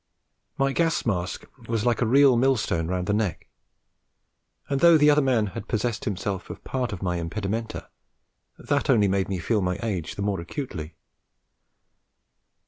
My gas mask was like a real mill stone round the neck; and though the other man had possessed himself of part of my impedimenta, that only made me feel my age the more acutely.